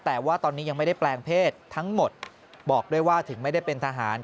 แต่ว่าตอนนี้ยังไม่ได้แปลงเพศทั้งหมดบอกด้วยว่าถึงไม่ได้เป็นทหาร